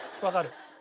わかる。